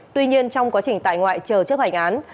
tuy nhiên trong quá trình tại ngoại chờ chấp hành án